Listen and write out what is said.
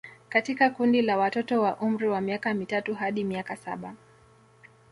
Katika kundi la watoto wa umri wa miaka mitatu hadi miaka saba